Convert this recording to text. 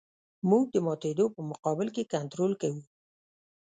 موږ د ماتېدو په مقابل کې کنټرول کوو